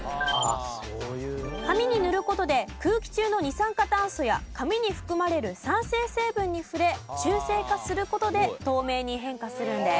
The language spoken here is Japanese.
紙に塗る事で空気中の二酸化炭素や紙に含まれる酸性成分に触れ中性化する事で透明に変化するんです。